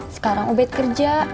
sekarang ubed kerja